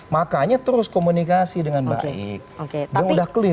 makanya terus komunikasi dengan baik